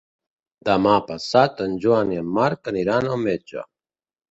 Demà passat en Joan i en Marc aniran al metge.